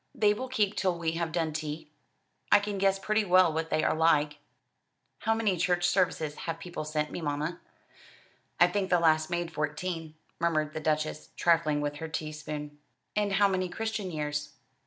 "They will keep till we have done tea. I can guess pretty well what they are like. How many church services have people sent me, mamma?" "I think the last made fourteen," murmured the Duchess, trifling with her tea spoon. "And how many 'Christian Years'?"